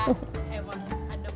kejar bungkus kemarin benfi